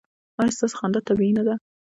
ایا ستاسو خندا طبیعي نه ده؟